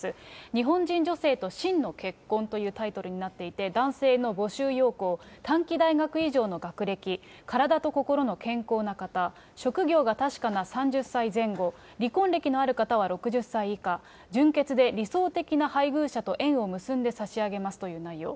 日本人女性と真の結婚というタイトルになっていて、男性の募集要項、短期大学以上の学歴、体と心の健康な方、職業が確かな３０歳前後、離婚歴のある方は６０歳以下、純潔で理想的な配偶者と縁を結んでさしあげますという内容。